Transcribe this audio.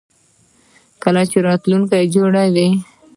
چې راتلونکی جوړوي.